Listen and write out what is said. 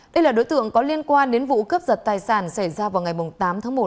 đây là đối tượng có liên quan đến vụ cướp giật tài sản xảy ra vào ngày tám tháng một